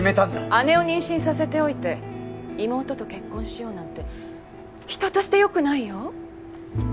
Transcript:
姉を妊娠させておいて妹と結婚しようなんて人としてよくないよ？